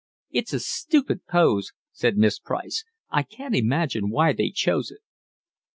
"It's a stupid pose," said Miss Price. "I can't imagine why they chose it."